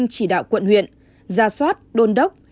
chỉ đạo quận huyện gia soát đôn đốc